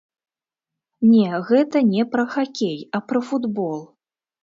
Не, гэта не пра хакей, а пра футбол.